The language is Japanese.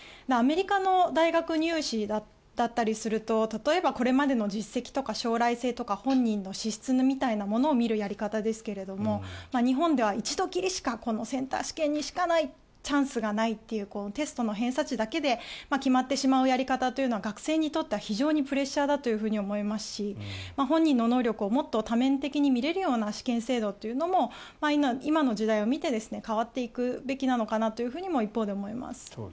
アメリカの大学入試だったりすると例えばこれまでの実績とか将来性とか本人の資質みたいなものを見るやり方ですけれども日本では一度きりしかこのセンター試験にしかチャンスがないっていうテストの偏差値だけで決まってしまうやり方というのは学生にとっては非常にプレッシャーだと思いますし本人の能力をもっと多面的に見れるような試験制度というのも今の時代を見て変わっていくべきなのかなとは一方で思っています。